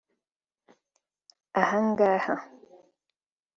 Ahangaha